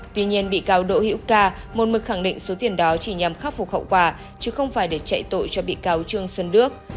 tuy nhiên bị cáo đỗ hiễu ca môn mực khẳng định số tiền đó chỉ nhằm khắc phục hậu quả chứ không phải để chạy tội cho bị cáo trương xuân đức